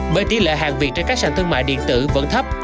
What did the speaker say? bởi tỉ lệ hàng viện trên các sàn thương mại điện tử vẫn thấp